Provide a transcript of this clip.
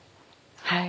はい。